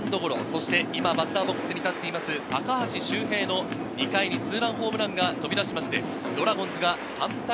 そしてバッターボックスに立っている高橋周平の２回ツーランホームランが飛び出して、ドラゴンズが３対０。